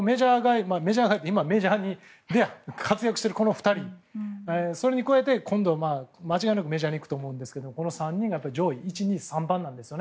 今、メジャーで活躍しているこの２人、それに加えて間違いなくメジャーに行くと思うんですけどこの３人が上位、１、２、３番なんです。